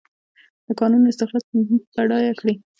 د کانونو استخراج به موږ بډایه کړي؟